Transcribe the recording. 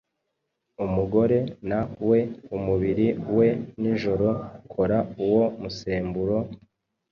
umugore na we umubiri we nijoro ukora uwo musemburo,